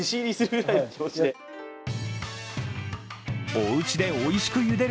おうちでおいしくゆでる